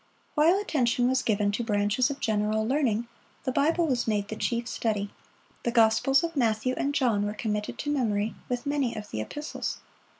While attention was given to branches of general learning, the Bible was made the chief study. The Gospels of Matthew and John were committed to memory, with many of the Epistles.